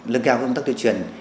lưng cao công tác tuyên truyền